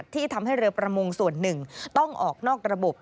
ที่ทำให้เรือประมงส่วนหนึ่งต้องออกนอกระบบ